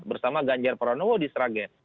bersama ganjar pranowo di sragen